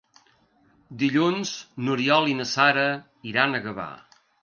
Dilluns n'Oriol i na Sara iran a Gavà.